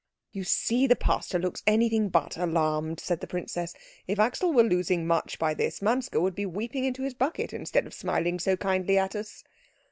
"You see the pastor looks anything but alarmed," said the princess. "If Axel were losing much by this, Manske would be weeping into his bucket instead of smiling so kindly at us."